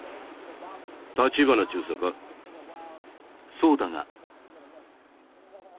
そうだが。